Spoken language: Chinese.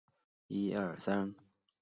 大孔沙条鲨为真鲨科沙条鲨属的鱼类。